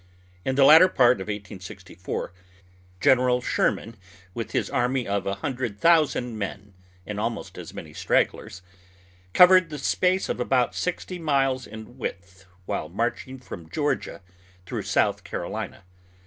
In the latter part of 1864 Gen. Sherman, with his army of a hundred thousand men and almost as many stragglers, covered the space of about sixty miles in width while marching from Georgia through South Carolina.